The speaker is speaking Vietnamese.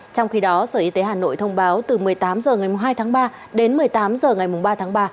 trong khi đó sở y tế hà nội thông báo từ một mươi tám h ngày hai tháng ba đến một mươi tám h ngày ba tháng ba